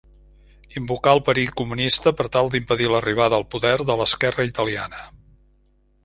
Invocà el perill comunista per tal d'impedir l'arribada al poder de l'esquerra italiana.